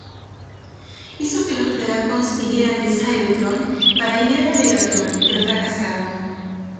Hizo que los Predacons vinieran de Cybertron para eliminar a Megatron, pero fracasaron.